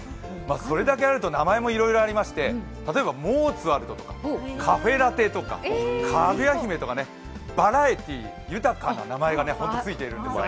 それだけあると名前もいろいろありまして例えばモーツァルトとかカフェラテとかかぐやひめとか、バラエティー豊かな名前がついているんです。